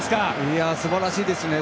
すばらしいですね。